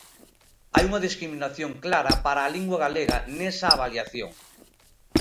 Hai unha discriminación clara para a lingua galega nesa avaliación.